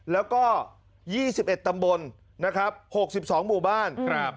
แล้วก็๒๑ตำบลนะครับ๖๒หมู่บ้าน